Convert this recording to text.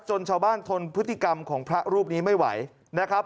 ชาวบ้านทนพฤติกรรมของพระรูปนี้ไม่ไหวนะครับ